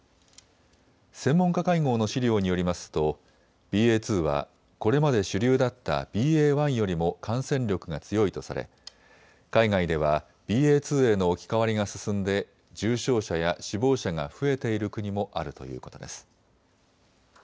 専門家会合の資料によりますとＢＡ．２はこれまで主流だったＢＡ．１よりも感染力が強いとされ海外ではＢＡ．２への置き換わりが進んで重症者や死亡者が増えている国もあるということです。